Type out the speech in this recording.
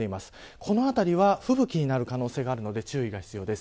このあたりは吹雪になる可能性があるので、注意が必要です。